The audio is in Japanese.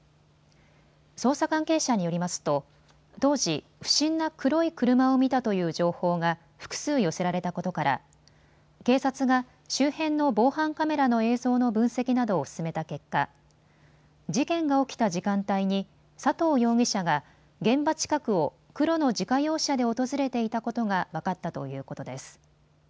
捜査関係者によりますと当時、不審な黒い車を見たという情報が複数寄せられたことから警察が周辺の防犯カメラの映像の分析などを進めた結果、事件が起きた時間帯に佐藤容疑者が現場近くを黒の自家用車で訪れていたことが分かったということです。